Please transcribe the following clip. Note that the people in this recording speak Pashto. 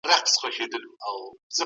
ګاونډی هیواد وارداتي تعرفه نه زیاتوي.